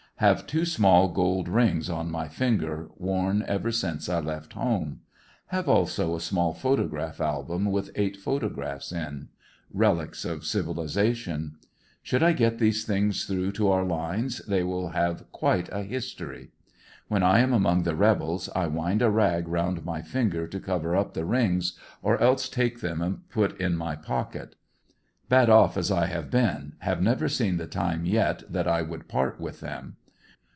Have two small gold rings on my finger, worn ever since I left home. Have also a small photograph album with eight photographs in. Eelics of civilization. Should I get these things through to our lines they will have quite a his tory. When I am among the rebels I wind a rag around my finger to cover up the rings, or else take them and put in my pocket. Bad off as I have been, have never seen the time yet that I would part with them.